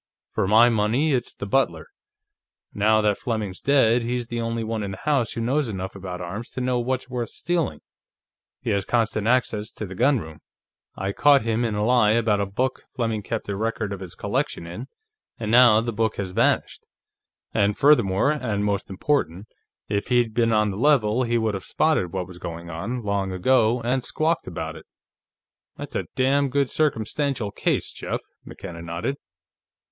For my money, it's the butler. Now that Fleming's dead, he's the only one in the house who knows enough about arms to know what was worth stealing. He has constant access to the gunroom. I caught him in a lie about a book Fleming kept a record of his collection in, and now the book has vanished. And furthermore, and most important, if he'd been on the level, he would have spotted what was going on, long ago, and squawked about it." "That's a damn good circumstantial case, Jeff," McKenna nodded.